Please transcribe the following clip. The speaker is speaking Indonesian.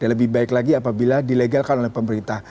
dan lebih baik lagi apabila dilegalkan oleh pemerintah